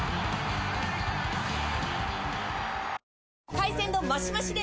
海鮮丼マシマシで！